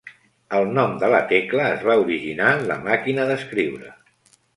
El nom de la tecla es va originar en la màquina d'escriure.